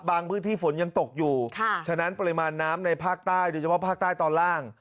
พื้นที่ฝนยังตกอยู่ฉะนั้นปริมาณน้ำในภาคใต้โดยเฉพาะภาคใต้ตอนล่าง